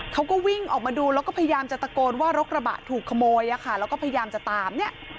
เขาก็วิ่งออกมาดูแล้วก็พยายามจะตะโกนว่ารถกระบะถูกขโมยแล้วก็พยายามจะตามเนี่ย